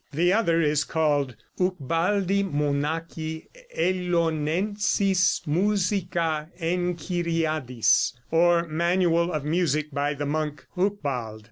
The other is called "Hucbaldi Monachi Elonensis Musica Enchiriadis," or "Manual of Music, by the Monk Hucbald."